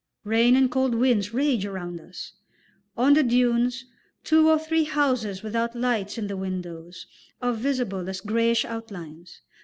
Rain and cold winds rage around us. On the dunes two or three houses without lights in the windows are visible as greyish outlines.